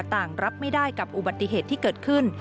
รับไม่ได้กับอุบัติเหตุที่เกิดขึ้น